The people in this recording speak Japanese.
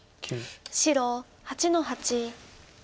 白８の八。